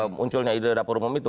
munculnya ide dapur umum itu